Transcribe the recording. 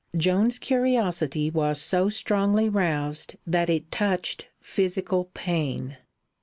Joan's curiosity was so strongly roused that it touched physical pain.